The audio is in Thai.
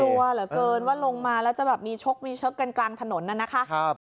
กลัวเหลือเกินว่าลงมาแล้วจะมีชกกันกลางถนนนะฮะ